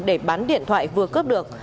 để bán điện thoại vừa cướp được